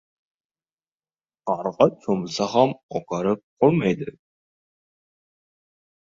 • Qarg‘a cho‘milsa ham oqarib qolmaydi.